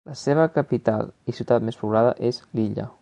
La seva capital i ciutat més poblada és Lilla.